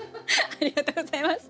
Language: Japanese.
ありがとうございます。